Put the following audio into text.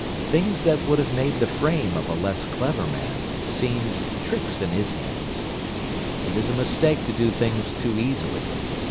Things that would have made the fame of a less clever man seemed tricks in his hands. It is a mistake to do things too easily.